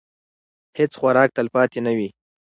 هیڅ خوراک تلپاتې نه وي.